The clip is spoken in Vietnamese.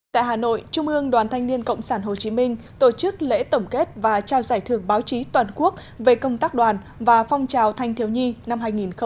tại hà nội trung ương đoàn thanh niên cộng sản hồ chí minh tổ chức lễ tổng kết và trao giải thưởng báo chí toàn quốc về công tác đoàn và phong trào thanh thiếu nhi năm hai nghìn một mươi chín